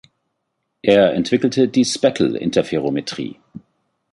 Er entwickelte die Speckle-Interferometrie.